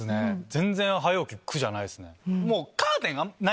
全然早起き苦じゃないっすね。